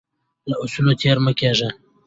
له اصولو تیر مه کیږئ.